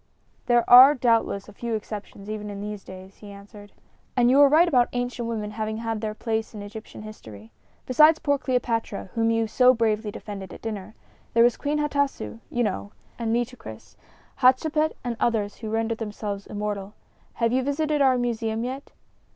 "There are doubtless a few exceptions, even in these days," he answered. "And you are right about ancient women having had their place in Egyptian history. Besides poor Cleopatra, whom you so bravely defended at dinner, there was Queen Hatasu, you know; and Nitocris, Hatshepset and others who rendered themselves immortal. Have you visited our museum yet?"